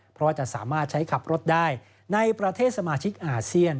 เพราะว่าจะสามารถใช้ขับรถได้ในประเทศสมาชิกอาเซียน